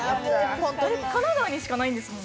神奈川にしかないんですもんね？